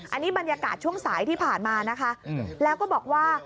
อันนี้บรรยากาศช่วงสายที่ผ่านมานะคะแล้วก็บอกว่า